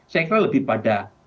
saya kira lebih pada hal ini